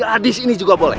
gadis ini juga boleh